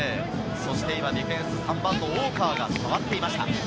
ディフェンスは３番の大川が下がっていました。